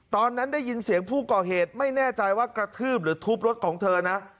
ตอนนั้นได้ยินเสียงผู้ก่อเหตุไม่แน่ใจว่ากระทืบหรือทุบรถของเธอนะ